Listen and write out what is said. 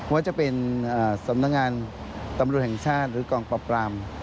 ว่าจะเป็นสำนักงานตำรวจแห่งชาติหรือกองปรับปราม